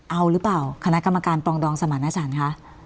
เอาหรือเปล่าคณะกรรมการปรองดองสมรรถสารคะ